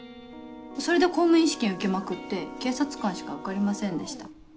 それで公務員試験受けまくって警察官しか受かりませんでした。